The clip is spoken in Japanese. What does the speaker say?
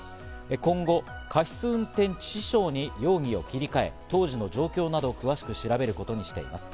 今後、過失運転致死傷に容疑を切り替え、当時の状況など詳しく調べることにしています。